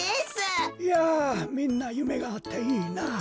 いやみんなゆめがあっていいなあ。